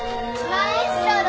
マエストロ！